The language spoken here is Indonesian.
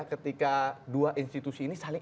ketika dua institusi ini saling